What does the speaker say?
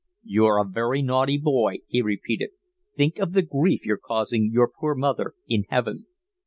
"You're a very naughty boy," he repeated. "Think of the grief you're causing your poor mother in heaven."